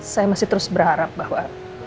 saya masih terus berharap bahwa